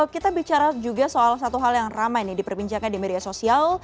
kita bicara juga soal satu hal yang ramai nih diperbincangkan di media sosial